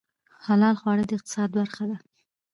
حلال خواړه د اقتصاد برخه ده